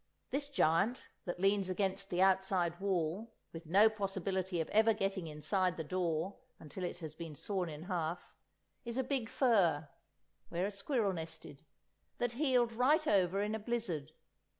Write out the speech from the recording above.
This giant, that leans against the outside wall, with no possibility of ever getting inside the door until it has been sawn in half, is a big fir (where a squirrel nested) that heeled right over in a blizzard.